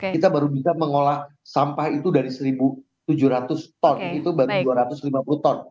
kita baru bisa mengolah sampah itu dari satu tujuh ratus ton itu baru dua ratus lima puluh ton